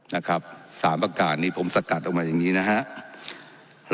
นะครับสามประกาศนี้ผมสกัดออกมาอย่างนี้นะครับ